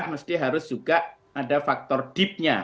mesti harus juga ada faktor deepnya